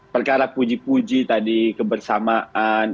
perkara puji puji tadi kebersamaan